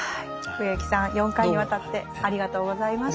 植木さん４回にわたってありがとうございました。